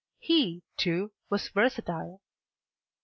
He, too, was versatile.